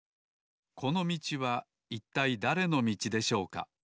このみちはいったいだれのみちでしょうか？